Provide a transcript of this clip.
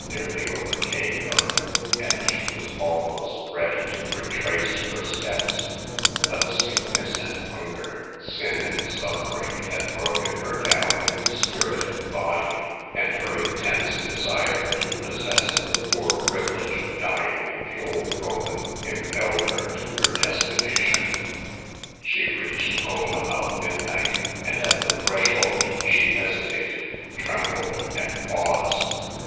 nearly overcame her, and she was almost ready to retrace her steps ; but sickness and hunger, sin and suffering, had broken her down in spirit and body, and her intense desire to pos sess the poor privilege of dying in the old home impelled her to her destination. She reached home about midnight, and at the threshold she hesitated, trembled, and paused.